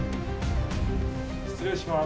失礼します。